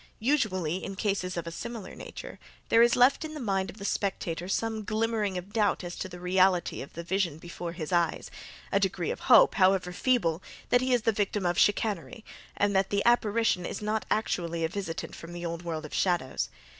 Usually, in cases of a similar nature, there is left in the mind of the spectator some glimmering of doubt as to the reality of the vision before his eyes; a degree of hope, however feeble, that he is the victim of chicanery, and that the apparition is not actually a visitant from the old world of shadows.